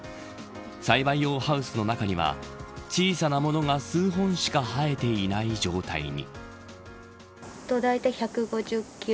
栽培用ハウスの中には小さなものが数本しか生えていない状態に。